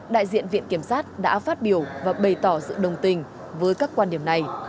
đại diện viện kiểm sát đã phát biểu và bày tỏ sự đồng tình với các quan điểm này